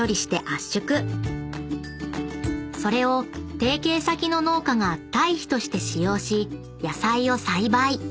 ［それを提携先の農家が堆肥として使用し野菜を栽培］